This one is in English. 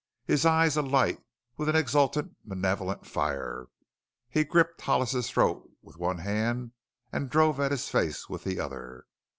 His eyes alight with an exultant, malevolent fire, he gripped Hollis's throat with one hand and drove at his face with the other.